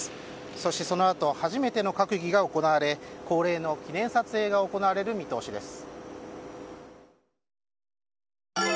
そしてそのあと初めての閣議が行われ恒例の記念撮影が行われる見通しです。